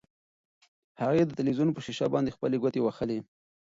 هغې د تلویزیون په شیشه باندې خپلې ګوتې وهلې.